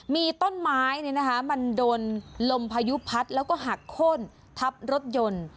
มีต้นไม้มันโดนลมพายุพัดแล้วก็หักโค้นทับรถยนต์